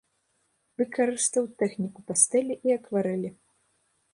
Выкарыстаў тэхніку пастэлі і акварэлі.